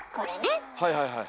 はいはいはいはい。